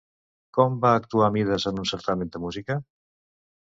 Com va actuar Mides en un certamen de música?